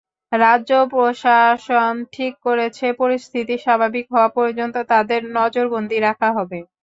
রাজ্য প্রশাসন ঠিক করেছে, পরিস্থিতি স্বাভাবিক হওয়া পর্যন্ত তাঁদের নজরবন্দী রাখা হবে।